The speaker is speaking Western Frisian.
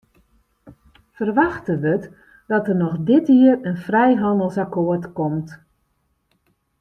Ferwachte wurdt dat der noch dit jier in frijhannelsakkoart komt.